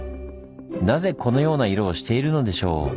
なぜこのような色をしているのでしょう？